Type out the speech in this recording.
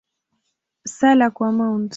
Sala kwa Mt.